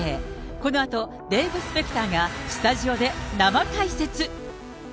このあとデーブ・スペクターがスタジオで生解説。